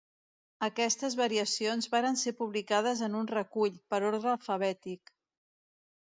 Aquestes variacions varen ser publicades en un recull, per ordre alfabètic.